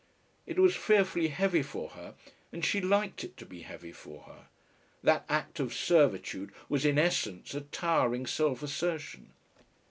It was fearfully heavy for her and she liked it to be heavy for her. That act of servitude was in essence a towering self assertion.